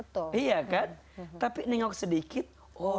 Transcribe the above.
tapi nengok sedikit oh nengok lagi ya sudah berhasil